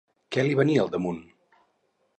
Què li venia al damunt?